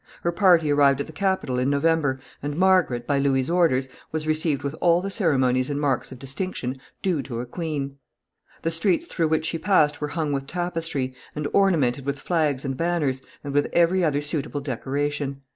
Her party arrived at the capital in November, and Margaret, by Louis's orders, was received with all the ceremonies and marks of distinction due to a queen. The streets through which she passed were hung with tapestry, and ornamented with flags and banners, and with every other suitable decoration.